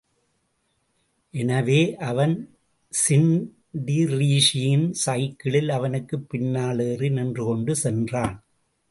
எனவே அவன் ஸின்டிரீஸியின் சைக்கிளில் அவனுக்குப் பின்னால் ஏறி நின்று கொண்டு சென்றான்.